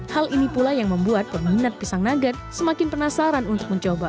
hal ini pula yang membuat peminat pisang nugget semakin penasaran untuk mencoba